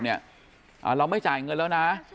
เราไม่จ่ายเงินแล้วนะ